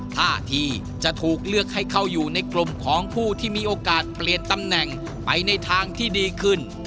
ท่าที่จะถูกเลือกให้เข้าอยู่ในกลุ่มของผู้ที่มีโอกาสเปลี่ยนตำแหน่งไปในทางที่ดีขึ้น